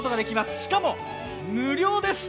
しかも無料です！